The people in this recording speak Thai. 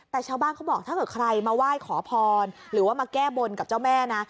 แต่ชาวบ้านเขาบอกถ้าเกิดใครมาไหว้ขอพรหรือว่ามาแก้บนกับเจ้าแม่นะ